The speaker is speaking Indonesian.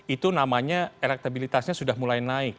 itu namanya elektabilitasnya sudah mulai naik